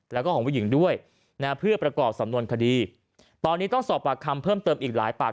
แล้วก็ของผู้หญิงด้วยนะเพื่อประกอบสำนวนคดีตอนนี้ต้องสอบปากคำเพิ่มเติมอีกหลายปาก